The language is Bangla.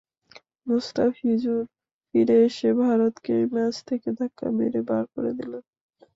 মুস্তাফিজুর ফিরে এসে ভারতকেই ম্যাচ থেকে ধাক্কা মেরে বার করে দিলেন।